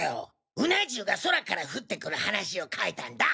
うな重が空から降ってくる話を書いたんだ。